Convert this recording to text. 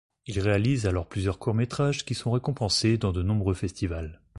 Il réalise alors plusieurs courts-métrages qui sont récompensés dans de nombreux festivals.